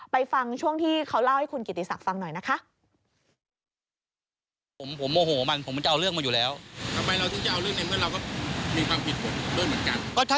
ฟังช่วงที่เขาเล่าให้คุณกิติศักดิ์ฟังหน่อยนะคะ